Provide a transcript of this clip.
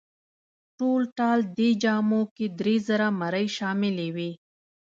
ټولټال دې جامو کې درې زره مرۍ شاملې وې.